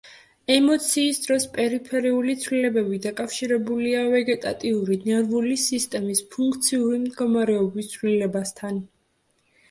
ემოციის დროს პერიფერიული ცვლილებები დაკავშირებულია ვეგეტატიური ნერვული სისტემის ფუნქციური მდგომარეობის ცვლილებასთან.